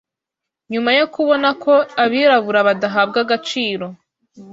nyuma yo kubona ko abirabura badahabwa agaciro